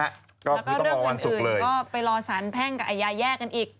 แล้วก็เรื่องอื่นก็ไปรอสารแพ่งกับอาญาแยกกันอีก